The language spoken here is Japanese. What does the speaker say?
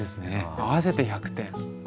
合わせて１００点。